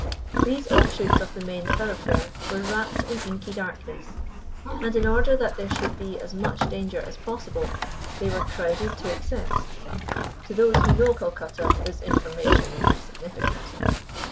These offshoots of the main thoroughfare were wrapped in inky darkness, and, in order that there should be as much danger as possible, they were crowded to excess. To those who know Calcutta this information will be significant.